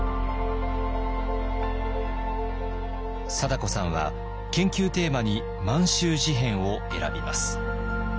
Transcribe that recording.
貞子さんは研究テーマに「満州事変」を選びます。